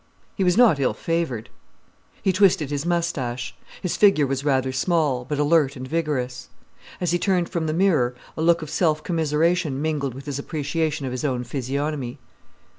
He was not ill favoured. He twisted his moustache. His figure was rather small, but alert and vigorous. As he turned from the mirror a look of self commiseration mingled with his appreciation of his own physiognomy.